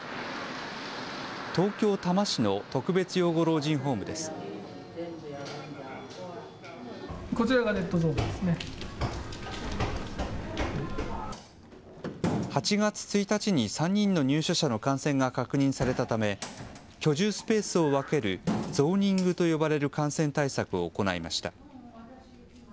東京・多摩市の特別養護老人ホー８月１日に３人の入所者の感染が確認されたため、居住スペースを分ける、ゾーニングと呼ばれる感染対策を行いました。